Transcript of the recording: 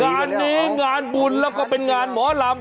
งานนี้งานบุญแล้วก็เป็นงานหมอลำ